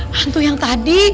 hantu yang tadi